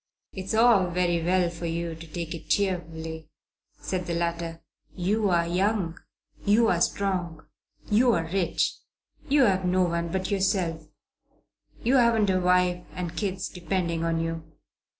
"It's all very well for you to take it cheerfully," said the latter. "You're young. You're strong. You're rich. You've no one but yourself. You haven't a wife and kids depending on you."